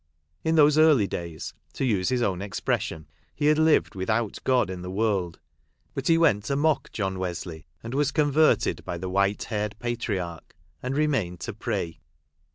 In those early days (to use his own expression) he had lived without God in the world ; but he went to mock John Wesley, and was converted by the white haired patriarch, and remained to pray.